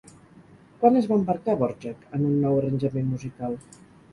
Quan es va embarcar Dvořák en un nou arranjament musical?